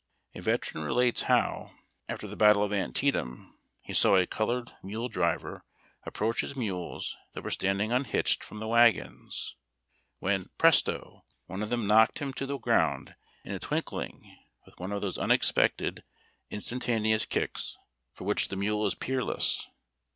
A veteran relates how, after the battle of Antietam, he saw a colored mule driver THE ARMY MULE. 287 approach his mules that were standing unhitched from the wagons, when, pi'esto I one of them knocked him to tlie ground in a twinkling with one of those unexpected instan taneous kicks, for which the mule is peerless.